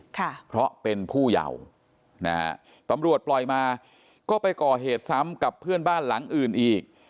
ค่ะเพราะเป็นผู้เยาว์นะฮะตำรวจปล่อยมาก็ไปก่อเหตุซ้ำกับเพื่อนบ้านหลังอื่นอีก